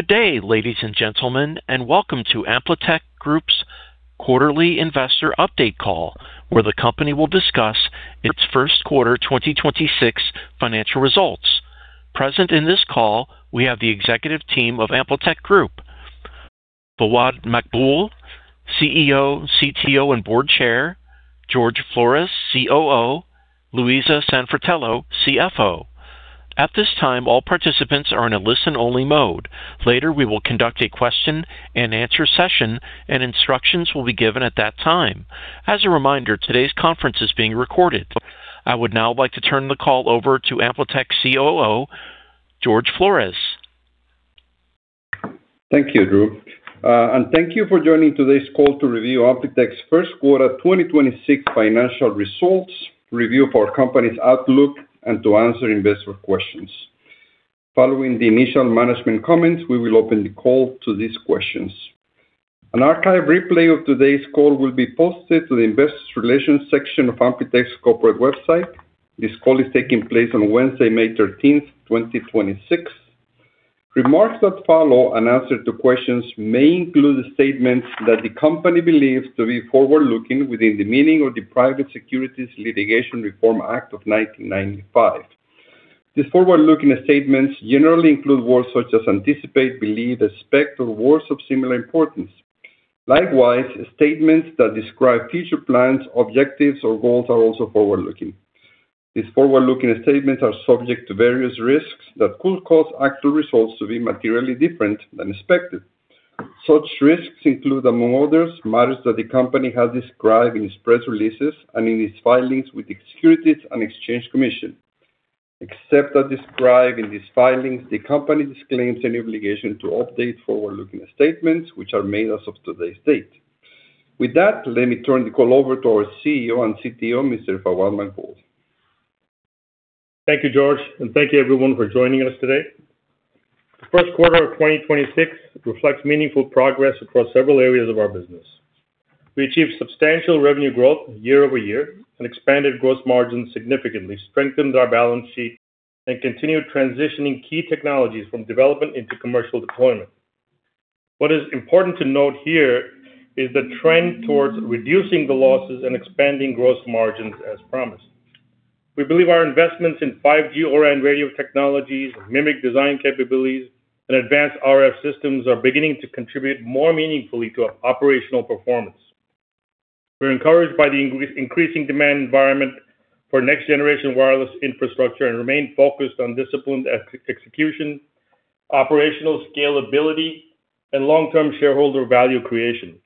Good day, ladies and gentlemen, and welcome to AmpliTech Group's quarterly investor update call, where the company will discuss its first quarter 2026 financial results. Present in this call, we have the executive team of AmpliTech Group, Fawad Maqbool, CEO, CTO, and Board Chair, Jorge Flores, COO, Louisa Sanfratello, CFO. At this time, all participants are in a listen-only mode. Later, we will conduct a question-and-answer session, and instructions will be given at that time. As a reminder, today's conference is being recorded. I would now like to turn the call over to AmpliTech COO, Jorge Flores. Thank you, Drew. Thank you for joining today's call to review AmpliTech's first quarter 2026 financial results, review of our company's outlook, and to answer investor questions. Following the initial management comments, we will open the call to these questions. An archive replay of today's call will be posted to the investor relations section of AmpliTech's corporate website. This call is taking place on Wednesday, May 13th, 2026. Remarks that follow and answer to questions may include statements that the company believes to be forward-looking within the meaning of the Private Securities Litigation Reform Act of 1995. These forward-looking statements generally include words such as anticipate, believe, expect, or words of similar importance. Likewise, statements that describe future plans, objectives, or goals are also forward-looking. These forward-looking statements are subject to various risks that could cause actual results to be materially different than expected. Such risks include, among others, matters that the company has described in its press releases and in its filings with the Securities and Exchange Commission. Except as described in these filings, the company disclaims any obligation to update forward-looking statements, which are made as of to this date. With that, let me turn the call over to our CEO and CTO, Mr. Fawad Maqbool. Thank you, Jorge, and thank you everyone for joining us today. The first quarter of 2026 reflects meaningful progress across several areas of our business. We achieved substantial revenue growth year-over-year and expanded gross margin significantly, strengthened our balance sheet, and continued transitioning key technologies from development into commercial deployment. What is important to note here is the trend towards reducing the losses and expanding gross margins as promised. We believe our investments in 5G O-RAN radio technologies, MMIC design capabilities, and advanced RF systems are beginning to contribute more meaningfully to our operational performance. We're encouraged by the increasing demand environment for next-generation wireless infrastructure and remain focused on disciplined execution, operational scalability, and long-term shareholder value creation.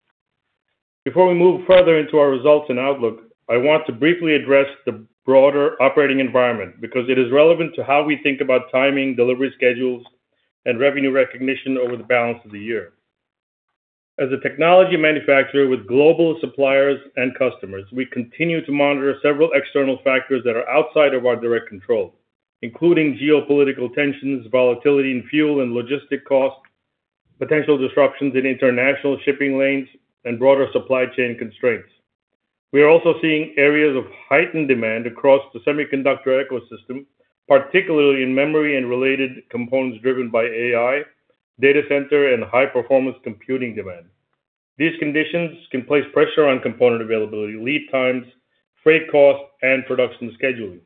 Before we move further into our results and outlook, I want to briefly address the broader operating environment because it is relevant to how we think about timing, delivery schedules, and revenue recognition over the balance of the year. As a technology manufacturer with global suppliers and customers, we continue to monitor several external factors that are outside of our direct control, including geopolitical tensions, volatility in fuel and logistic costs, potential disruptions in international shipping lanes, and broader supply chain constraints. We are also seeing areas of heightened demand across the semiconductor ecosystem, particularly in memory and related components driven by AI, data center, and high-performance computing demand. These conditions can place pressure on component availability, lead times, freight costs, and production scheduling.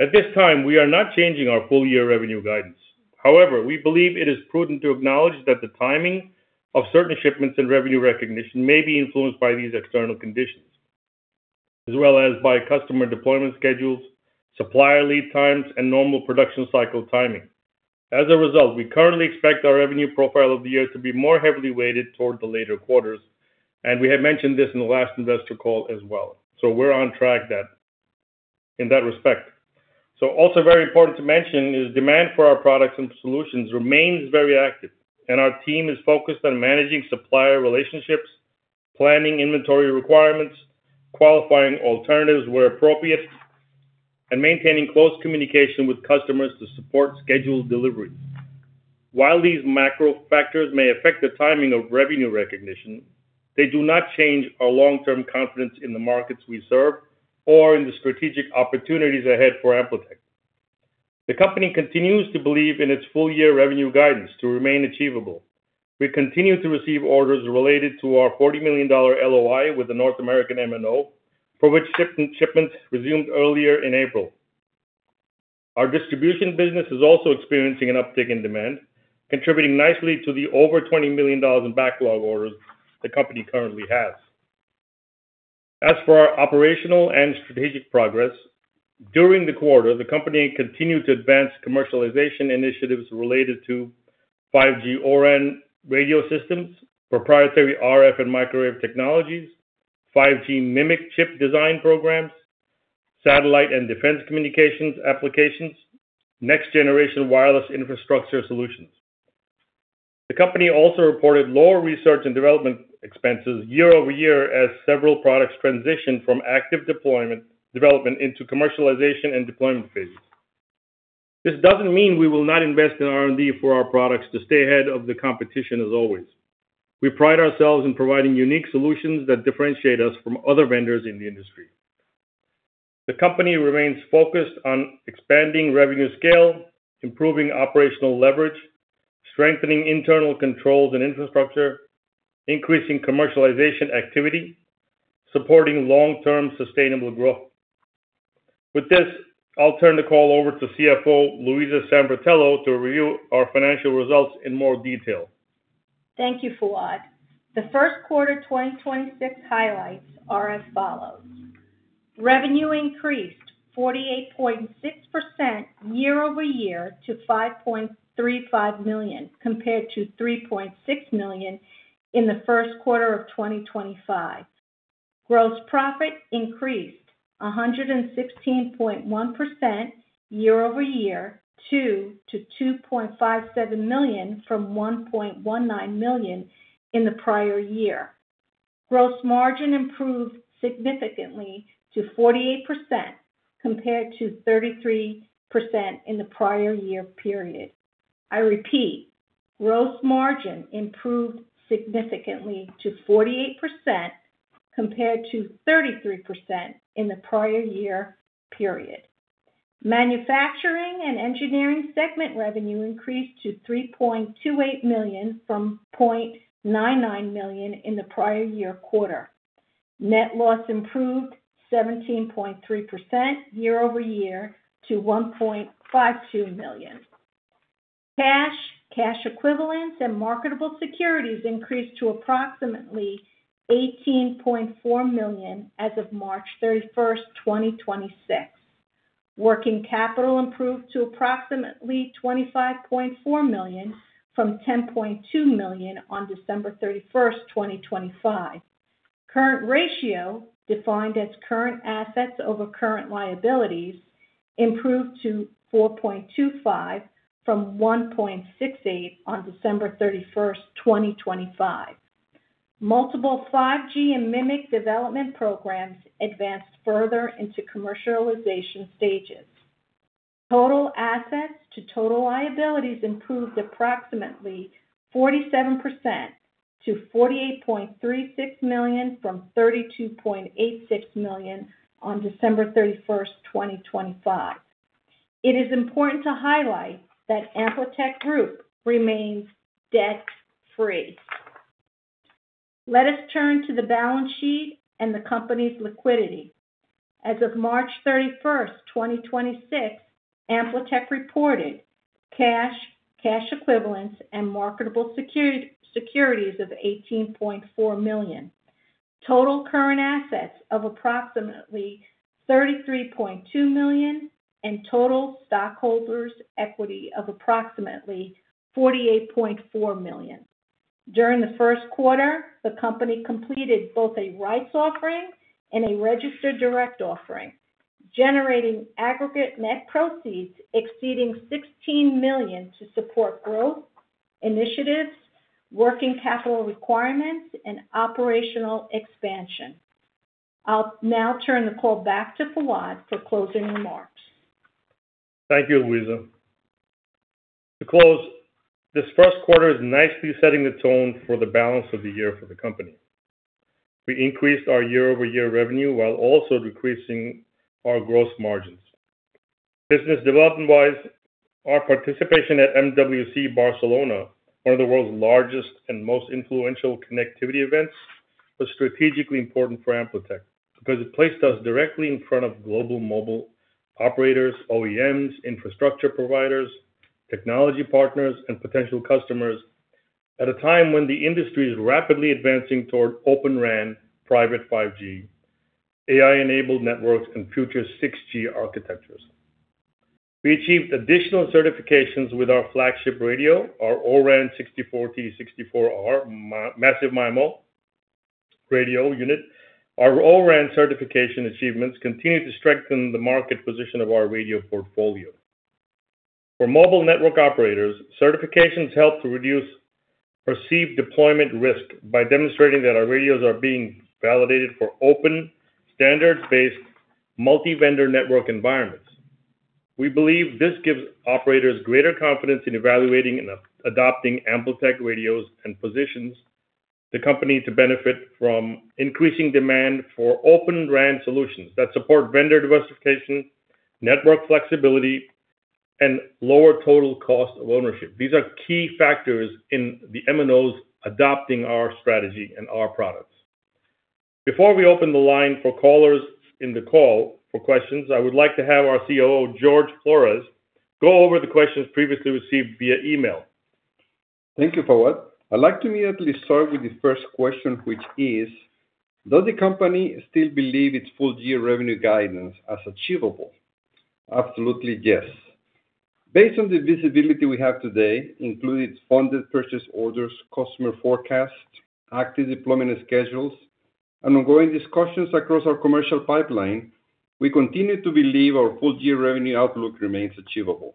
At this time, we are not changing our full-year revenue guidance. However, we believe it is prudent to acknowledge that the timing of certain shipments and revenue recognition may be influenced by these external conditions, as well as by customer deployment schedules, supplier lead times, and normal production cycle timing. As a result, we currently expect our revenue profile of the year to be more heavily weighted toward the later quarters, and we have mentioned this in the last investor call as well. We're on track in that respect. Also very important to mention is demand for our products and solutions remains very active, and our team is focused on managing supplier relationships, planning inventory requirements, qualifying alternatives where appropriate, and maintaining close communication with customers to support scheduled deliveries. While these macro factors may affect the timing of revenue recognition, they do not change our long-term confidence in the markets we serve or in the strategic opportunities ahead for AmpliTech. The company continues to believe in its full-year revenue guidance to remain achievable. We continue to receive orders related to our $40 million LOI with the North American MNO, for which ship-shipments resumed earlier in April. Our distribution business is also experiencing an uptick in demand, contributing nicely to the over $20 million in backlog orders the company currently has. As for our operational and strategic progress, during the quarter, the company continued to advance commercialization initiatives related to 5G O-RAN radio systems, proprietary RF and microwave technologies, 5G MMIC chip design programs, satellite and defense communications applications, next-generation wireless infrastructure solutions. The company also reported lower research and development expenses year-over-year as several products transitioned from active development into commercialization and deployment phases. This doesn't mean we will not invest in R&D for our products to stay ahead of the competition as always. We pride ourselves in providing unique solutions that differentiate us from other vendors in the industry. The company remains focused on expanding revenue scale, improving operational leverage, strengthening internal controls and infrastructure, increasing commercialization activity, supporting long-term sustainable growth. With this, I'll turn the call over to CFO Louisa Sanfratello to review our financial results in more detail. Thank you, Fawad. The first quarter 2026 highlights are as follows. Revenue increased 48.6% year-over-year to $5.35 million, compared to $3.6 million in the first quarter of 2025. Gross profit increased 116.1% year-over-year to $2.57 million from $1.19 million in the prior year. Gross margin improved significantly to 48% compared to 33% in the prior year period. I repeat, gross margin improved significantly to 48% compared to 33% in the prior year period. Manufacturing and engineering segment revenue increased to $3.28 million from $0.99 million in the prior year quarter. Net loss improved 17.3% year-over-year to $1.52 million. Cash, cash equivalents, and marketable securities increased to approximately $18.4 million as of March 31st, 2026. Working capital improved to approximately $25.4 million from $10.2 million on December 31st, 2025. Current ratio, defined as current assets over current liabilities, improved to 4.25 from 1.68 on December 31st, 2025. Multiple 5G and MMIC development programs advanced further into commercialization stages. Total assets to total liabilities improved approximately 47% to $48.36 million from $32.86 million on December 31st, 2025. It is important to highlight that AmpliTech Group remains debt free. Let us turn to the balance sheet and the company's liquidity. As of March 31st, 2026, AmpliTech reported cash equivalents, and marketable securities of $18.4 million. Total current assets of approximately $33.2 million, and total stockholders' equity of approximately $48.4 million. During the first quarter, the company completed both a rights offering and a registered direct offering, generating aggregate net proceeds exceeding $16 million to support growth initiatives, working capital requirements, and operational expansion. I'll now turn the call back to Fawad for closing remarks. Thank you, Louisa. To close, this first quarter is nicely setting the tone for the balance of the year for the company. We increased our year-over-year revenue while also decreasing our gross margins. Business development-wise, our participation at MWC Barcelona, one of the world's largest and most influential connectivity events, was strategically important for AmpliTech because it placed us directly in front of global mobile operators, OEMs, infrastructure providers, technology partners, and potential customers at a time when the industry is rapidly advancing toward Open RAN, private 5G, AI-enabled networks, and future 6G architectures. We achieved additional certifications with our flagship radio, our O-RAN 64T64R massive MIMO radio unit. Our O-RAN certification achievements continue to strengthen the market position of our radio portfolio. For mobile network operators, certifications help to reduce perceived deployment risk by demonstrating that our radios are being validated for open standards-based multi-vendor network environments. We believe this gives operators greater confidence in evaluating and adopting AmpliTech radios and positions the company to benefit from increasing demand for Open RAN solutions that support vendor diversification, network flexibility, and lower total cost of ownership. These are key factors in the MNOs adopting our strategy and our products. Before we open the line for callers in the call for questions, I would like to have our COO, Jorge Flores, go over the questions previously received via email. Thank you, Fawad. I'd like to immediately start with the first question, which is: Does the company still believe its full-year revenue guidance as achievable? Absolutely, yes. Based on the visibility we have today, including funded purchase orders, customer forecasts, active deployment schedules, and ongoing discussions across our commercial pipeline, we continue to believe our full-year revenue outlook remains achievable.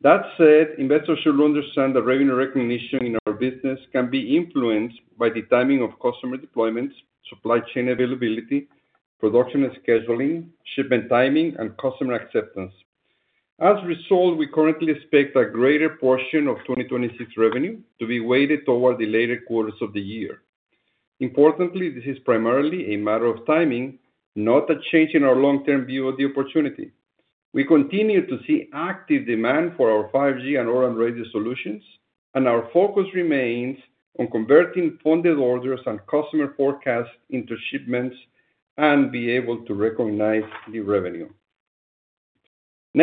That said, investors should understand that revenue recognition in our business can be influenced by the timing of customer deployments, supply chain availability, production and scheduling, shipment timing, and customer acceptance. As a result, we currently expect a greater portion of 2026 revenue to be weighted toward the later quarters of the year. Importantly, this is primarily a matter of timing, not a change in our long-term view of the opportunity. We continue to see active demand for our 5G and O-RAN radio solutions. Our focus remains on converting funded orders and customer forecasts into shipments and be able to recognize the revenue.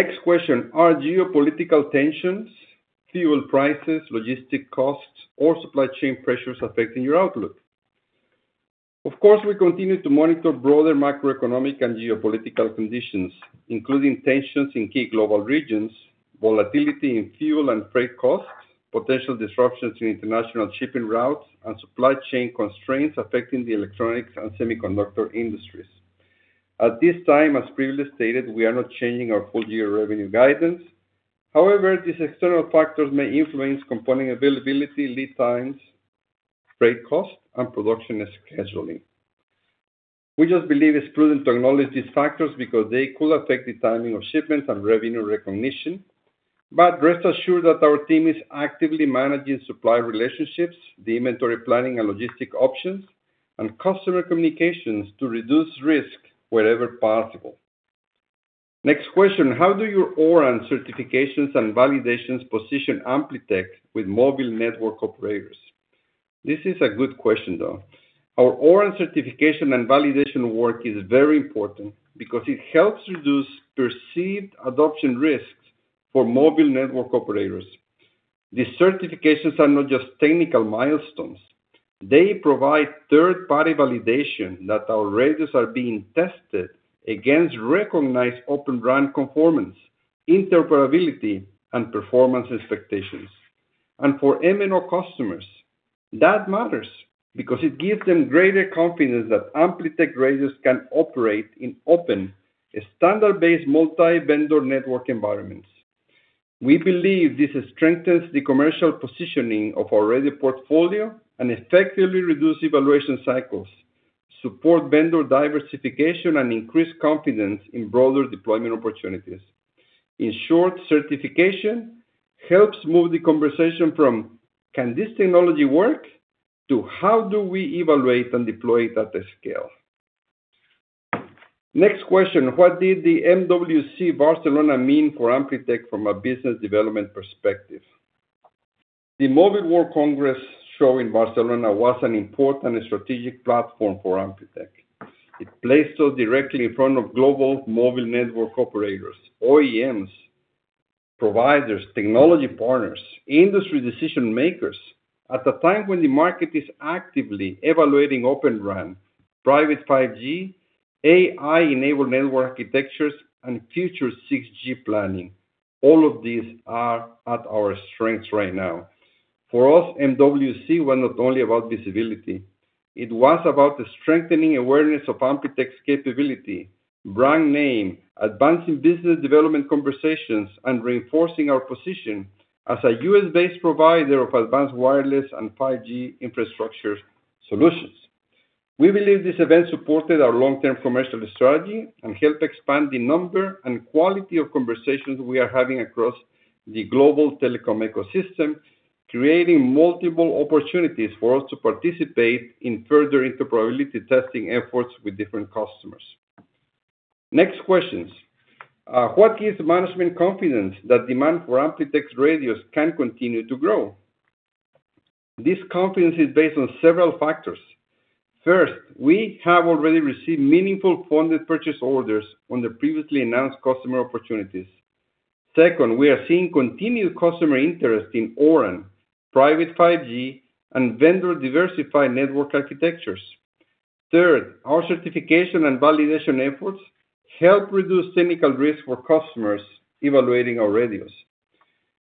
Next question: Are geopolitical tensions, fuel prices, logistic costs, or supply chain pressures affecting your outlook? Of course, we continue to monitor broader macroeconomic and geopolitical conditions, including tensions in key global regions, volatility in fuel and freight costs, potential disruptions in international shipping routes and supply chain constraints affecting the electronics and semiconductor industries. At this time, as previously stated, we are not changing our full year revenue guidance. However, these external factors may influence component availability, lead times, freight cost, and production scheduling. We just believe it's prudent to acknowledge these factors because they could affect the timing of shipments and revenue recognition. Rest assured that our team is actively managing supply relationships, the inventory planning and logistic options, and customer communications to reduce risk wherever possible. Next question: How do your O-RAN certifications and validations position AmpliTech with mobile network operators? This is a good question, though. Our O-RAN certification and validation work is very important because it helps reduce perceived adoption risks for mobile network operators. These certifications are not just technical milestones. They provide third-party validation that our radios are being tested against recognized Open RAN conformance, interoperability, and performance expectations. For MNO customers, that matters because it gives them greater confidence that AmpliTech radios can operate in open, standard-based multi-vendor network environments. We believe this strengthens the commercial positioning of our radio portfolio and effectively reduce evaluation cycles, support vendor diversification, and increase confidence in broader deployment opportunities. In short, certification helps move the conversation from, "Can this technology work?" to, "How do we evaluate and deploy it at the scale?" Next question: What did the MWC Barcelona mean for AmpliTech from a business development perspective? The Mobile World Congress show in Barcelona was an important strategic platform for AmpliTech. It placed us directly in front of global mobile network operators, OEMs, providers, technology partners, industry decision-makers at a time when the market is actively evaluating Open RAN, private 5G, AI-enabled network architectures, and future 6G planning. All of these are at our strengths right now. For us, MWC were not only about visibility, it was about strengthening awareness of AmpliTech's capability, brand name, advancing business development conversations, and reinforcing our position as a U.S.-based provider of advanced wireless and 5G infrastructure solutions. We believe this event supported our long-term commercial strategy and helped expand the number and quality of conversations we are having across the global telecom ecosystem, creating multiple opportunities for us to participate in further interoperability testing efforts with different customers. Next questions: What gives management confidence that demand for AmpliTech's radios can continue to grow? This confidence is based on several factors. First, we have already received meaningful funded purchase orders on the previously announced customer opportunities. Second, we are seeing continued customer interest in O-RAN, private 5G, and vendor-diversified network architectures. Third, our certification and validation efforts help reduce technical risk for customers evaluating our radios.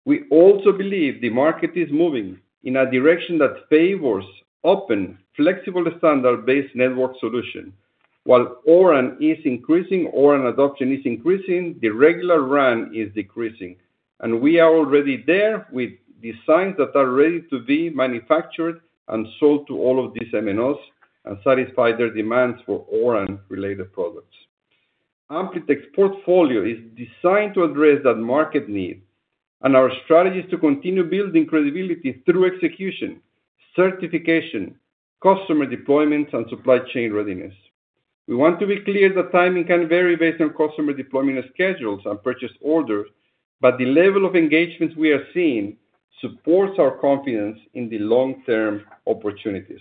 We also believe the market is moving in a direction that favors open, flexible standard-based network solution. While O-RAN adoption is increasing, the regular RAN is decreasing. We are already there with designs that are ready to be manufactured and sold to all of these MNOs and satisfy their demands for O-RAN-related products. AmpliTech's portfolio is designed to address that market need, and our strategy is to continue building credibility through execution, certification, customer deployments, and supply chain readiness. We want to be clear that timing can vary based on customer deployment schedules and purchase orders, but the level of engagement we are seeing supports our confidence in the long-term opportunities.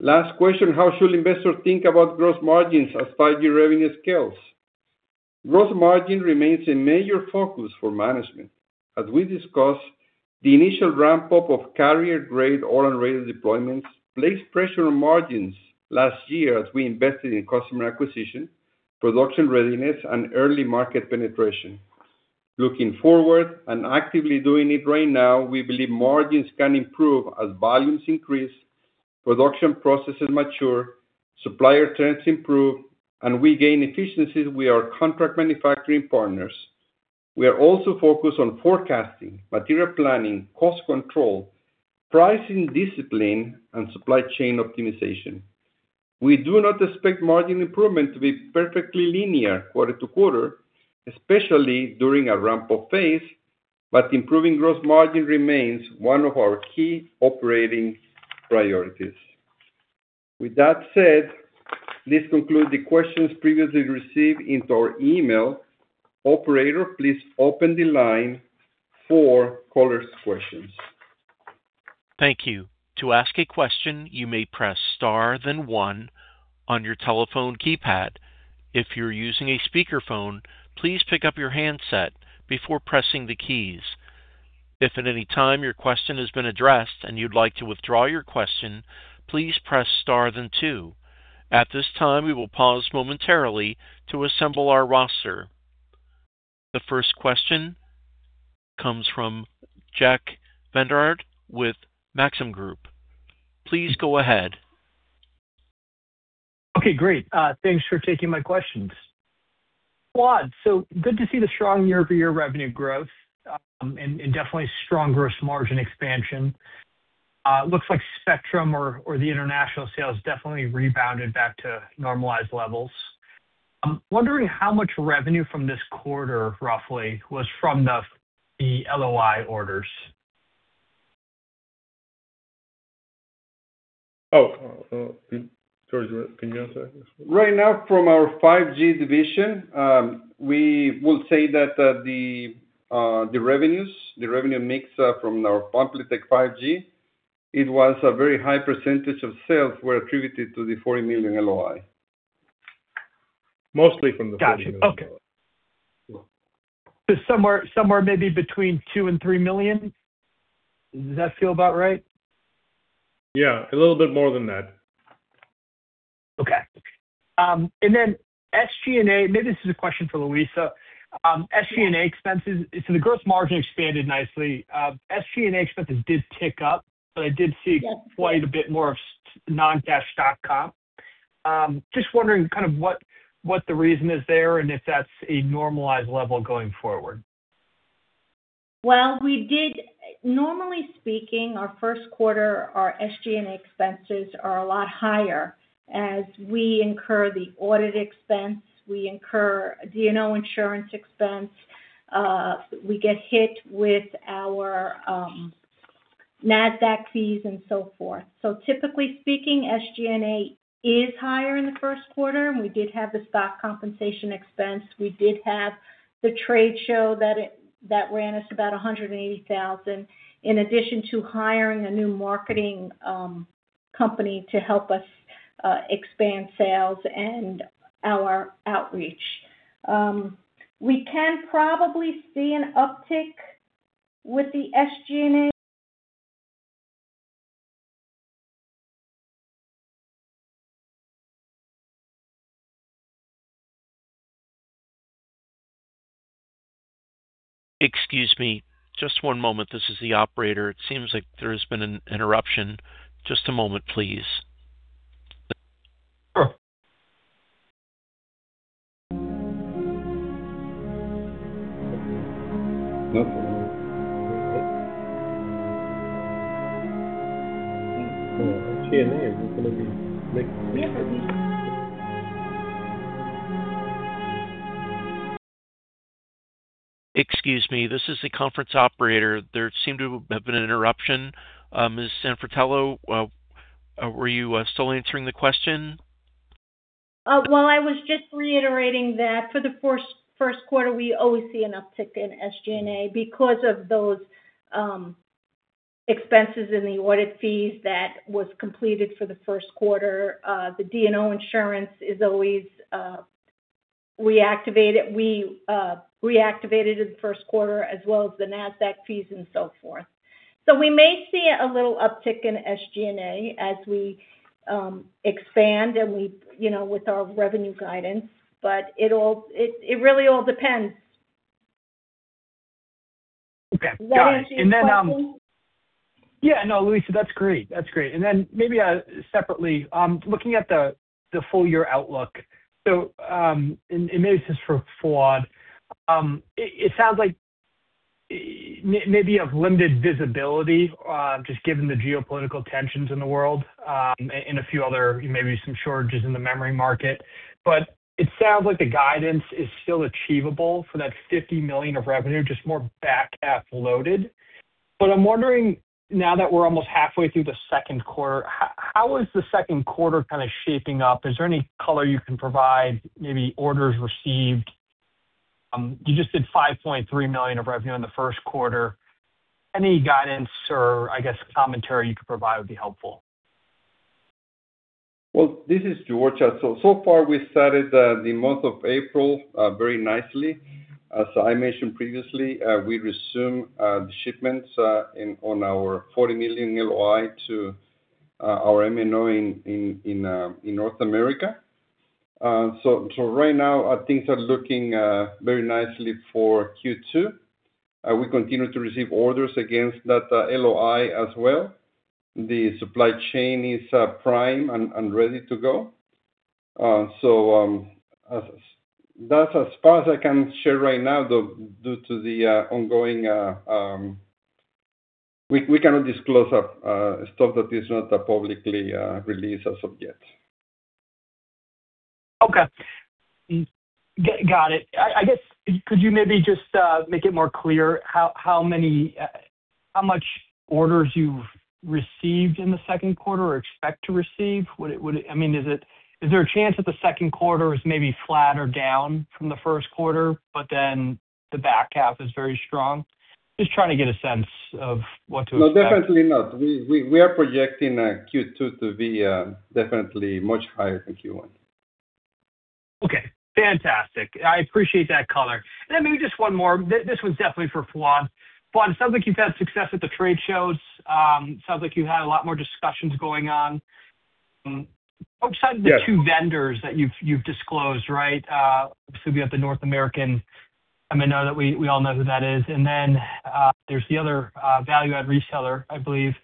Last question: How should investors think about gross margins as 5G revenue scales? Gross margin remains a major focus for management. As we discussed, the initial ramp-up of carrier-grade O-RAN radio deployments placed pressure on margins last year as we invested in customer acquisition, production readiness, and early market penetration. Looking forward and actively doing it right now, we believe margins can improve as volumes increase, production processes mature, supplier terms improve, and we gain efficiencies with our contract manufacturing partners. We are also focused on forecasting, material planning, cost control, pricing discipline, and supply chain optimization. We do not expect margin improvement to be perfectly linear quarter to quarter, especially during a ramp-up phase, but improving gross margin remains one of our key operating priorities. With that said, this concludes the questions previously received into our email. Operator, please open the line for callers' questions. Thank you. To ask a question, you may press Star One on your telephone keypad. If you're using a speakerphone, please pick up your handset before pressing the keys. If at any time your question has been addressed and you'd like to withdraw your question, please press Star Two. At this time, we will pause momentarily to assemble our roster. The first question comes from Jack Vander with Maxim Group. Please go ahead. Okay, great. thanks for taking my questions. Fawad, so good to see the strong year-over-year revenue growth, and definitely strong gross margin expansion. It looks like Spectrum or the international sales definitely rebounded back to normalized levels. I'm wondering how much revenue from this quarter roughly was from the LOI orders. Jorge, can you answer this? Right now, from our 5G division, we will say that the revenues, the revenue mix, from our AmpliTech 5G, it was a very high percentage of sales were attributed to the $40 million LOI. Mostly from the $40 million LOI. Got you. Okay. Somewhere maybe between $2 million and $3 million. Does that feel about right? Yeah, a little bit more than that. Okay. SG&A, maybe this is a question for Louisa. Yeah. Expenses. The gross margin expanded nicely. SG&A expenses did tick up. Yes. Quite a bit more of non-cash stock comp. Just wondering kind of what the reason is there, and if that's a normalized level going forward. We did Normally speaking, our first quarter, our SG&A expenses are a lot higher as we incur the audit expense, we incur D&O insurance expense, we get hit with our NASDAQ fees and so forth. Typically speaking, SG&A is higher in the first quarter, and we did have the stock compensation expense. We did have the trade show that ran us about $180,000, in addition to hiring a new marketing company to help us expand sales and our outreach. We can probably see an uptick with the SG&A. Excuse me. Just one moment. This is the operator. It seems like there has been an interruption. Just a moment, please. Sure. SG&A is going to be. Yeah. Excuse me. This is the conference operator. There seemed to have been an interruption. Ms. Sanfratello, were you still answering the question? I was just reiterating that for the first quarter, we always see an uptick in SG&A because of those expenses in the audit fees that was completed for the first quarter. The D&O insurance is always, we activate it. We reactivate it in the first quarter, as well as the NASDAQ fees and so forth. We may see a little uptick in SG&A as we expand and we, you know, with our revenue guidance, but it all, it really all depends. Okay. Got it. Does that answer your question? Yeah. No, Louisa, that's great. That's great. Maybe, separately, looking at the full year outlook. Maybe this is for Fawad. It sounds like maybe you have limited visibility, just given the geopolitical tensions in the world, and a few other, maybe some shortages in the memory market. It sounds like the guidance is still achievable for that $50 million of revenue, just more back half loaded. I'm wondering now that we're almost halfway through the second quarter, how is the second quarter kinda shaping up? Is there any color you can provide, maybe orders received? You just did $5.3 million of revenue in the first quarter. Any guidance or I guess commentary you could provide would be helpful. Well, this is Jorge. So far we started the month of April very nicely. As I mentioned previously, we resumed the shipments on our $40 million LOI to our MNO in North America. Right now things are looking very nicely for Q2. We continue to receive orders against that LOI as well. The supply chain is prime and ready to go. That's as far as I can share right now though, due to the ongoing, we cannot disclose stuff that is not publicly released as of yet. Okay. Got it. I guess, could you maybe just make it more clear how many, how much orders you've received in the second quarter or expect to receive? Would it I mean, is there a chance that the second quarter is maybe flat or down from the first quarter, the back half is very strong? Just trying to get a sense of what to expect. No, definitely not. We are projecting Q2 to be definitely much higher than Q1. Okay, fantastic. I appreciate that color. Then maybe just one more. This one's definitely for Fawad. Fawad, it sounds like you've had success at the trade shows. Sounds like you had a lot more discussions going on. Yeah The two vendors that you've disclosed, right? We have the North American MNO that we all know who that is, and then, there's the other, value-add reseller, I believe.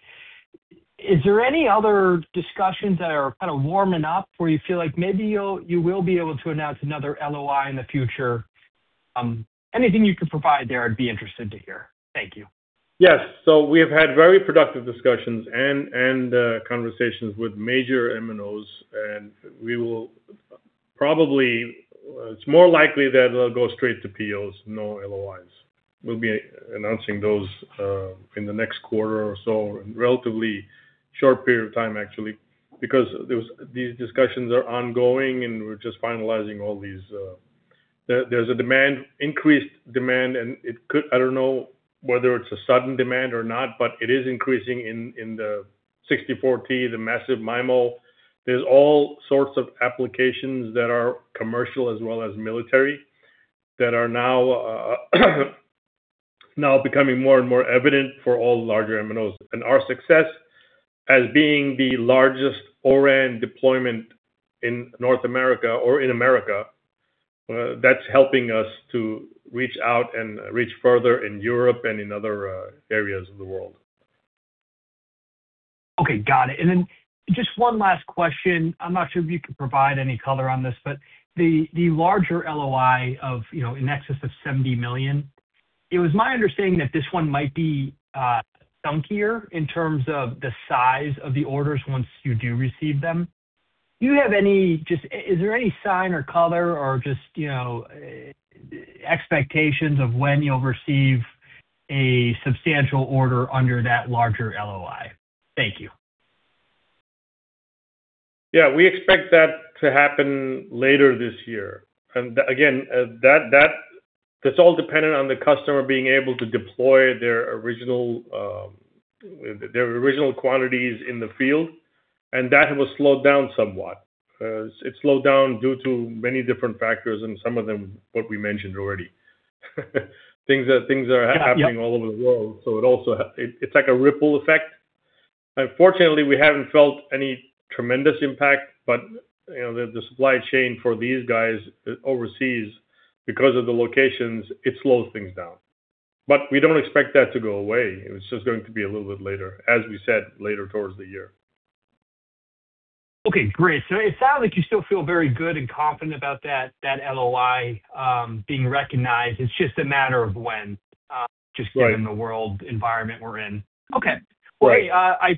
Is there any other discussions that are kinda warming up where you feel like maybe you will be able to announce another LOI in the future? Anything you could provide there, I'd be interested to hear. Thank you. Yes. We have had very productive discussions and conversations with major MNOs, and we will probably, it's more likely that they'll go straight to POs, no LOIs. We'll be announcing those in the next quarter or so, in relatively short period of time, actually, because these discussions are ongoing, and we're just finalizing all these. There's a demand, increased demand, I don't know whether it's a sudden demand or not, but it is increasing in the 64T64R, the massive MIMO. There's all sorts of applications that are commercial as well as military that are now becoming more and more evident for all larger MNOs. Our success as being the largest O-RAN deployment in North America or in America, that's helping us to reach out and reach further in Europe and in other areas of the world. Okay. Got it. Then just one last question. I'm not sure if you can provide any color on this, but the larger LOI of, you know, in excess of $70 million, it was my understanding that this one might be chunkier in terms of the size of the orders once you do receive them. Do you have any sign or color or just, you know, expectations of when you'll receive a substantial order under that larger LOI? Thank you. Yeah. We expect that to happen later this year. Again, that's all dependent on the customer being able to deploy their original quantities in the field, and that has slowed down somewhat. It slowed down due to many different factors, and some of them what we mentioned already. Yep all over the world. It also, it's like a ripple effect. Fortunately, we haven't felt any tremendous impact. You know, the supply chain for these guys overseas, because of the locations, it slows things down. We don't expect that to go away. It's just going to be a little bit later, as we said, later towards the year. Okay, great. It sounds like you still feel very good and confident about that LOI, being recognized. It's just a matter of when. Right just given the world environment we're in. Okay. Right. Great. I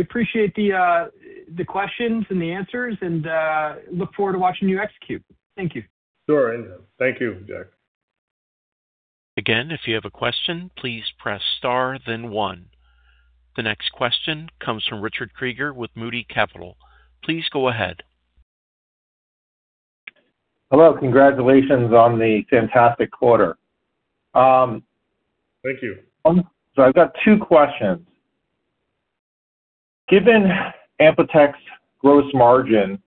appreciate the questions and the answers and look forward to watching you execute. Thank you. Sure. Thank you, Jack. Again, if you have a question, please press Star then One. The next question comes from Richard Kreger with Moody Capital. Please go ahead. Hello. Congratulations on the fantastic quarter. Thank you. I've got two questions. Given AmpliTech's gross margin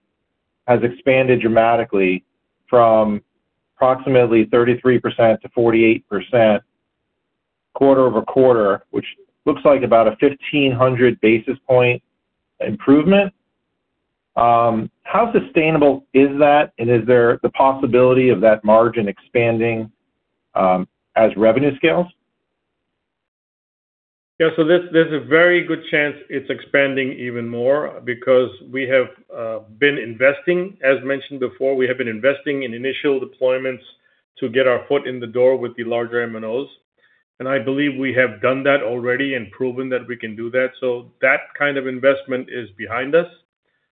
has expanded dramatically from approximately 33% to 48% quarter-over-quarter, which looks like about a 1,500 basis point improvement, how sustainable is that, and is there the possibility of that margin expanding as revenue scales? Yeah. There's a very good chance it's expanding even more because we have been investing. As mentioned before, we have been investing in initial deployments to get our foot in the door with the larger MNOs. I believe we have done that already and proven that we can do that. That kind of investment is behind us.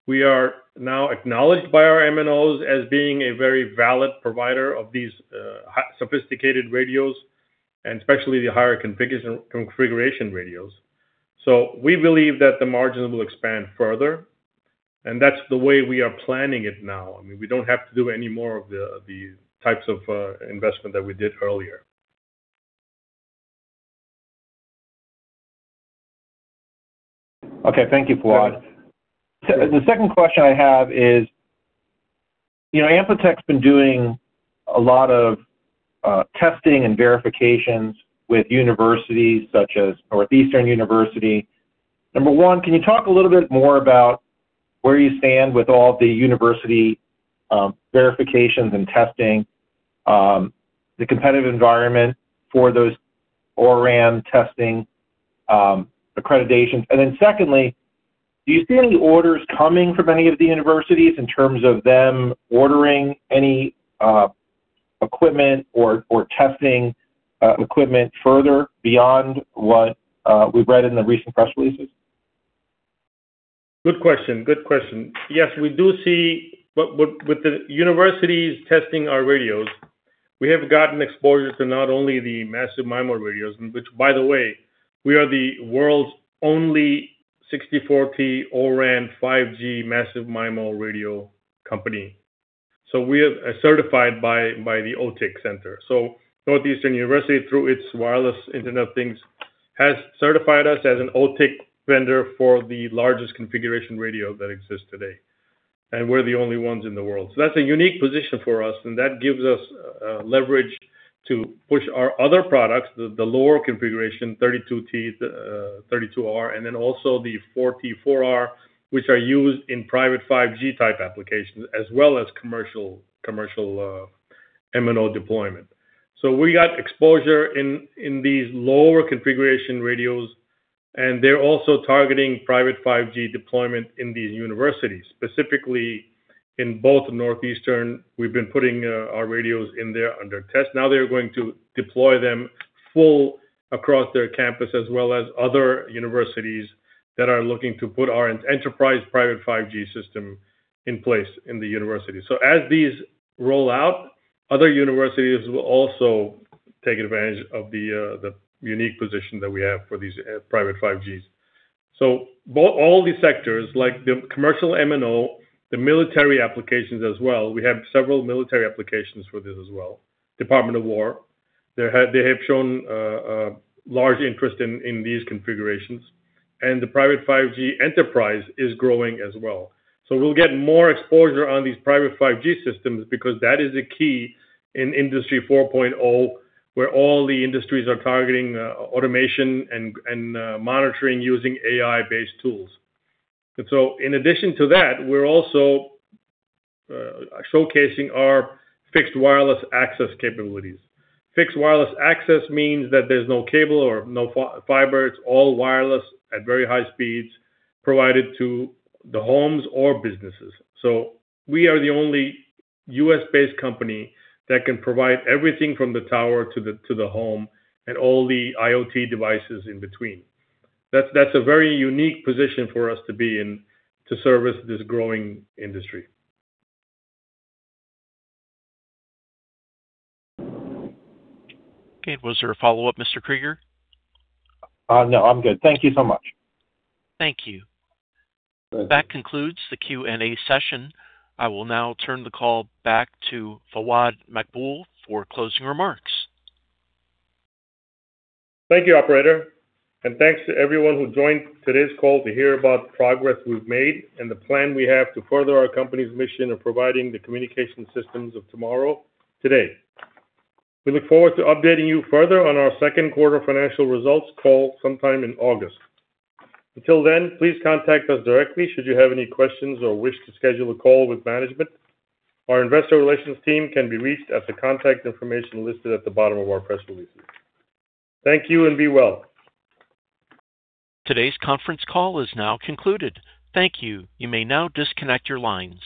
We are now acknowledged by our MNOs as being a very valid provider of these sophisticated radios, and especially the higher configuration radios. We believe that the margins will expand further. That's the way we are planning it now. I mean, we don't have to do any more of the types of investment that we did earlier. Okay. Thank you, Fawad. Yes. The second question I have is, you know, AmpliTech's been doing a lot of testing and verifications with universities such as Northeastern University. Number one, can you talk a little bit more about where you stand with all the university verifications and testing, the competitive environment for those O-RAN testing, accreditation? Secondly, do you see any orders coming from any of the universities in terms of them ordering any equipment or testing equipment further beyond what we've read in the recent press releases? Good question. Good question. Yes, we do see with the universities testing our radios, we have gotten exposure to not only the massive MIMO radios, and which, by the way, we are the world's only 64T O-RAN 5G massive MIMO radio company. We are certified by the OTIC center. Northeastern University, through its Institute for the Wireless Internet of Things, has certified us as an OTIC vendor for the largest configuration radio that exists today, and we're the only ones in the world. That's a unique position for us, and that gives us leverage to push our other products, the lower configuration, 32T, 32R, and then also the 4T4R, which are used in private 5G type applications as well as commercial MNO deployment. We got exposure in these lower configuration radios, and they're also targeting private 5G deployment in these universities. Specifically in both Northeastern, we've been putting our radios in there under test. They are going to deploy them full across their campus, as well as other universities that are looking to put our enterprise private 5G system in place in the university. As these roll out, other universities will also take advantage of the unique position that we have for these private 5Gs. All these sectors like the commercial MNO, the military applications as well, we have several military applications for this as well. Department of Defense, they have shown large interest in these configurations. The private 5G enterprise is growing as well. We'll get more exposure on these private 5G systems because that is a key in Industry 4.0 where all the industries are targeting automation and monitoring using AI-based tools. In addition to that, we're also showcasing our fixed wireless access capabilities. Fixed wireless access means that there's no cable or no fiber, it's all wireless at very high speeds provided to the homes or businesses. We are the only U.S.-based company that can provide everything from the tower to the home and all the IoT devices in between. That's a very unique position for us to be in to service this growing industry. Okay. Was there a follow-up, Mr. Kreger? No, I'm good. Thank you so much. Thank you. Thank you. That concludes the Q&A session. I will now turn the call back to Fawad Maqbool for closing remarks. Thank you, operator, thanks to everyone who joined today's call to hear about the progress we've made and the plan we have to further our company's mission of providing the communication systems of tomorrow, today. We look forward to updating you further on our 2nd quarter financial results call sometime in August. Until then, please contact us directly should you have any questions or wish to schedule a call with management. Our investor relations team can be reached at the contact information listed at the bottom of our press releases. Thank you, be well. Today's conference call is now concluded. Thank you. You may now disconnect your lines.